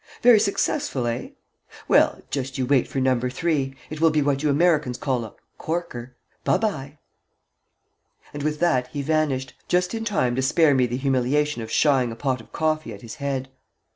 "Very successful, eh? Werl, just you wait for number three. It will be what you Americans call a corker. By bye." And with that he vanished, just in time to spare me the humiliation of shying a pot of coffee at his head.